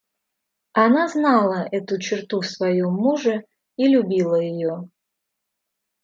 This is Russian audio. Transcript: Она знала эту черту в своем муже и любила ее.